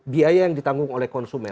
biaya yang ditanggung oleh konsumen